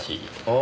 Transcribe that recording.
あ。